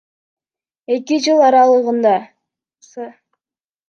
Эки жыл аралыгында С.